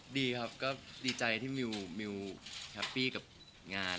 ดีครับก็ดีใจที่มิวแฮปปี้กับงาน